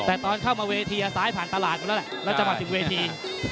แต่ตอนเข้ามาเวทีซ้ายผ่านตลาดมาแล้วแหละแล้วจังหวะถึงเวที